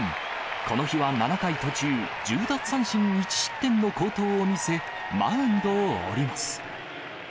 この日は７回途中、１０奪三振１失点の好投を見せ、マウンドを降ります。